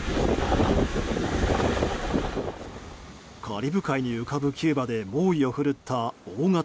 カリブ海に浮かぶキューバで猛威を振るった大型